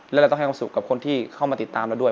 และเราต้องให้ความสุขกับคนที่เข้ามาติดตามเราด้วย